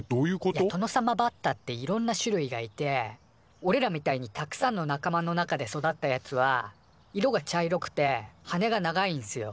いやトノサマバッタっていろんな種類がいておれらみたいにたくさんのなかまの中で育ったやつは色が茶色くて羽が長いんすよ。